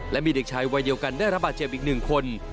และมีเด็กชายวัยเดียวกันได้รับบาดเจ็บอีก๑คน